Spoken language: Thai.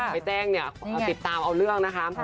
ไปแจ้งเนี่ยติดตามเอาเรื่องนะคะ